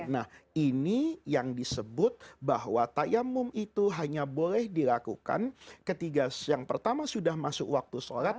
nah ini yang disebut bahwa tayamum itu hanya boleh dilakukan ketika yang pertama sudah masuk waktu sholat